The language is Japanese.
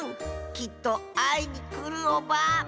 きっとあいにくるオバ。